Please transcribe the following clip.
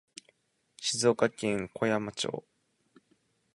静岡県小山町